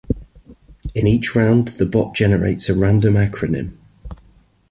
In each round, the bot generates a random acronym.